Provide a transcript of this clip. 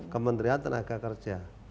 kementerian tenaga kerja